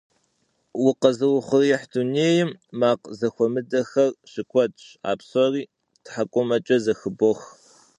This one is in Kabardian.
Укъэзыухъуреихь дунейм макъ зэхуэмыдэхэр щыкуэдщ. А псори тхьэкӀумэкӀэ зэхыбох.